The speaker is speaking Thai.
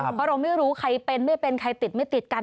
เพราะเราไม่รู้ใครเป็นไม่เป็นใครติดไม่ติดกัน